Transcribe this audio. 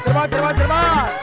cerbat cerbat cerbat